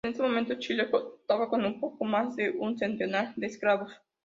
En ese momento, Chile contaba con un poco más de un centenar de esclavos.